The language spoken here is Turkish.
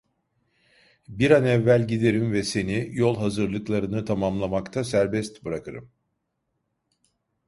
Bir an evvel giderim ve seni, yol hazırlıklarını tamamlamakta serbest bırakırım.